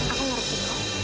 aku mengerti kamu